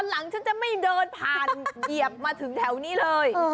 หลังฉันจะไม่เดินผ่านเหยียบมาถึงแถวนี้เลย